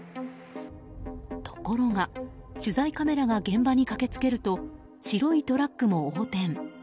ところが、取材カメラが現場に駆けつけると白いトラックも横転。